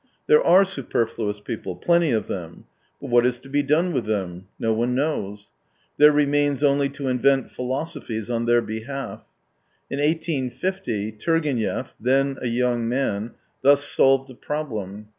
There are superfluous people, plenty of them. But what is to be done with them ? No one knows. There remains only to invent philosophies on their behalf. In 1850 Turgenev, then a young man, thus solved the problem.